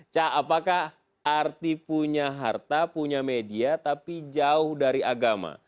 ca apakah arti punya harta punya media tapi jauh dari agama